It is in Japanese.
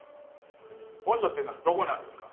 本社っていうのはどこにあるんですか？